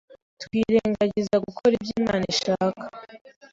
twirengagiza gukora ibyo Imana ishaka